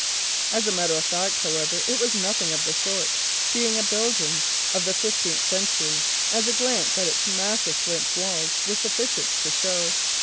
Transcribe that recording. In fact, however, it was nothing of the sort, being a building of the fifteenth century, as a glance at its massive flint walls was sufficient to show.